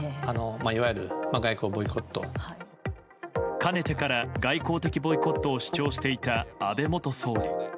かねてから外交的ボイコットを主張していた安倍元総理。